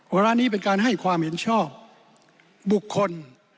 เวลานี้เป็นการให้ความเห็นชอบบุคคล